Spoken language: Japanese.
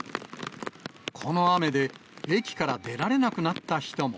この雨で駅から出られなくなった人も。